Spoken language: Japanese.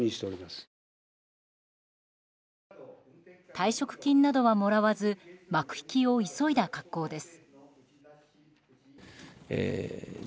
退職金などはもらわず幕引きを急いだ格好です。